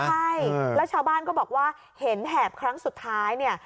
ใช่แล้วชาวบ้านก็บอกว่าเห็นแหบครั้งสุดท้ายเนี่ย